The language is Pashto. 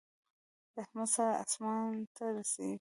د احمد سر اسمان ته رسېږي.